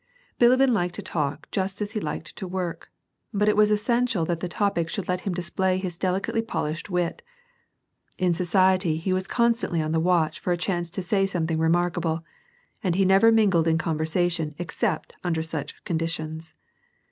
Bilibin liked to talk just as he liked to work, but it was essential that the topic should let him display his delicately polished wit. In society, he was constantly on the watch for a chance to say something remarkable, and he never mingled in conversation except under such conditions.